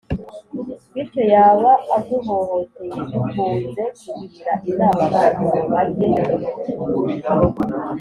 bityo yaba aguhohoteye. dukunze kugira inama abantu ngo bage